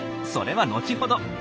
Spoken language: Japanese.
それは後ほど！